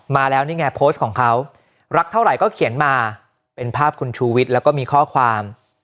มาแล้วนี่ไงโพสต์ของเขารักเท่าไหร่ก็เขียนมาเป็นภาพคุณชูวิทย์แล้วก็มีข้อความ